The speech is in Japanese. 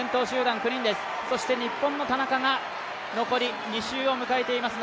そして日本の田中が残り２周を迎えています。